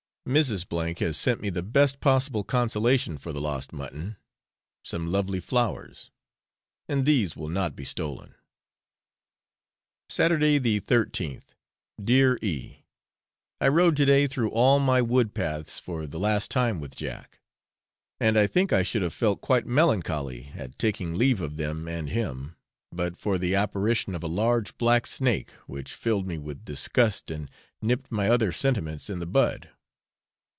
Mrs. has sent me the best possible consolation for the lost mutton, some lovely flowers, and these will not be stolen. Saturday, the 13th. Dear E , I rode to day through all my woodpaths for the last time with Jack, and I think I should have felt quite melancholy at taking leave of them and him, but for the apparition of a large black snake, which filled me with disgust and nipped my other sentiments in the bud.